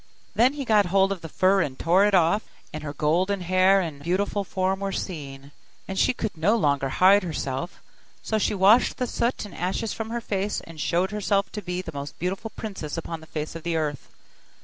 Then he got hold of the fur and tore it off, and her golden hair and beautiful form were seen, and she could no longer hide herself: so she washed the soot and ashes from her face, and showed herself to be the most beautiful princess upon the face of the earth.